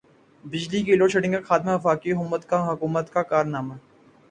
بجلی کی load shedding کا خاتمہ وفاقی حکومت کا کارنامہ ہے۔